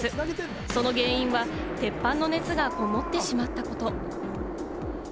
その原因は鉄板の熱がこもってしまったこと。